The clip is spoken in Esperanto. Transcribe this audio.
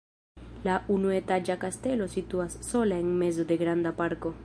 La unuetaĝa kastelo situas sola en mezo de granda parko.